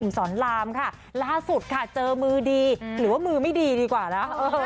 สอนรามค่ะล่าสุดค่ะเจอมือดีหรือว่ามือไม่ดีดีกว่านะ